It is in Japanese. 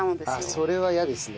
それは嫌ですね。